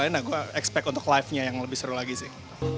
aku expect untuk live nya yang lebih seru lagi sih